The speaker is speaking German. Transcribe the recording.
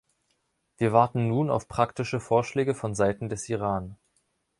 Wir warten nun auf praktische Vorschläge von Seiten des Iran.